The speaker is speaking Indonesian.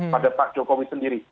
pada pak jokowi sendiri